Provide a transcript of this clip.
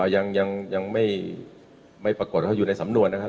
ยังไม่ปรากฏว่าอยู่ในสำนวนนะครับ